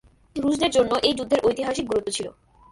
রুশদের জন্য এই যুদ্ধের ঐতিহাসিক গুরুত্ব ছিল।